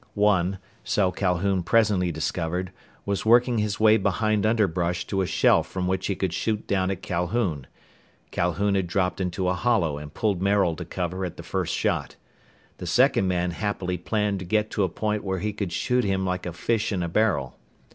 One, so Calhoun presently discovered was working his way behind underbrush to a shelf from which he could shoot down at Calhoun. Calhoun had dropped into a hollow and pulled Maril to cover at the first shot. The second man happily planned to get to a point where he could shoot him like a fish in a barrel.